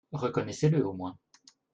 Reconnaissez-le au moins